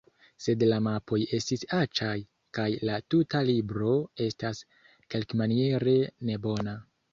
Sed la mapoj estis aĉaj kaj la tuta libro estas kelkmaniere nebona.